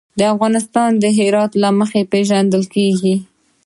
افغانستان د هرات له مخې پېژندل کېږي.